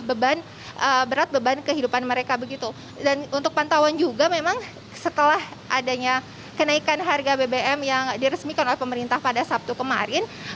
beban berat beban kehidupan mereka begitu dan untuk pantauan juga memang setelah adanya kenaikan harga bbm yang diresmikan oleh pemerintah pada sabtu kemarin